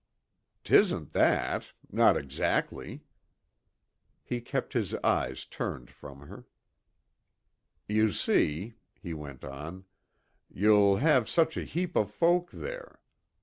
"'Tisn't that not exactly." He kept his eyes turned from her. "You see," he went on, "you'll have such a heap of folk there.